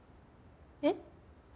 えっ？